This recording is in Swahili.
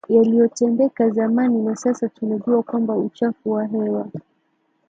yaliyotendeka zamani na sasa tunajua kwamba uchafuzi wa hewa